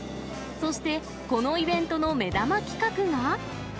そして、このイベントの目玉企画が。